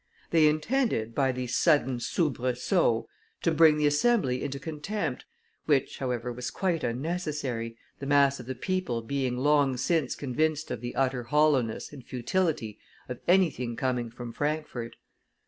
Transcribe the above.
They intended, by these sudden soubresauts, to bring the Assembly into contempt, which, however, was quite unnecessary, the mass of the people being long since convinced of the utter hollowness and futility of anything coming from Frankfort.